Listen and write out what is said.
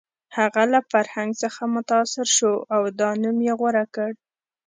هغه له فرهنګ څخه متاثر شو او دا نوم یې غوره کړ